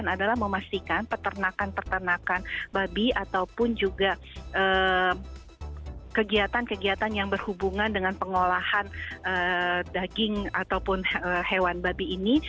adalah memastikan peternakan peternakan babi ataupun juga kegiatan kegiatan yang berhubungan dengan pengolahan daging ataupun hewan babi ini